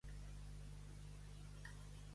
És dolç i honrós morir per la pàtria.